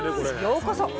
ようこそ。